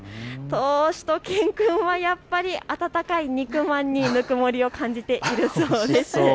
しゅと犬くんは温かいに肉まんにぬくもりを感じているそうです。